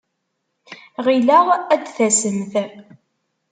Ɣileɣ ad d-tasemt.